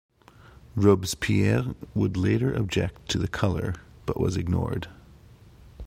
Robespierre would later object to the color, but was ignored.